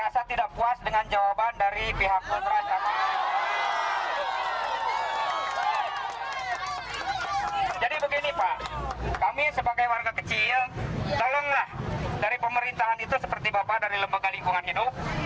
jadi begini pak kami sebagai warga kecil tolonglah dari pemerintahan itu seperti bapak dari lembaga lingkungan hidup